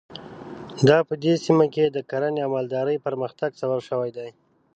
دا په دې سیمه کې د کرنې او مالدارۍ پرمختګ سبب شوي دي.